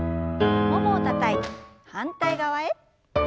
ももをたたいて反対側へ。